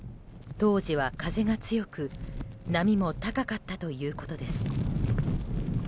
当時は風が強く波も高かったということです。